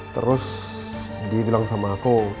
terus dia bilang sama aku